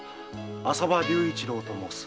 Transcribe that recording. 浅葉隆一郎と申す。